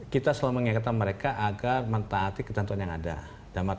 kita selalu mengingatkan mereka agar mentaati ketentuan yang ada